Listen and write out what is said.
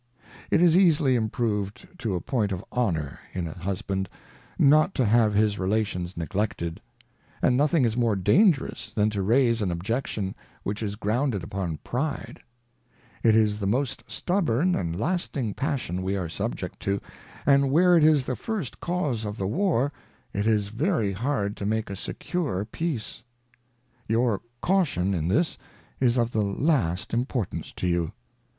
It is easily improved to a point of Honour in a Husband, not to have his Relations neglected ; and nothing is more dangerous, than to raise an Objection, which is grounded upon Pride : It is the most_ stub^ born and lasting Passion we are subject to, and where it is the first cause of the War, it is very hard to make a secm e Peace.^ Your Caution in this is of the last importance to you.